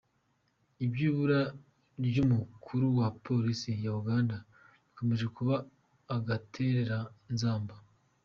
Iby’ ibura ry’ umukuru wa polisi ya Uganda bikomeje kuba agatereranzamba .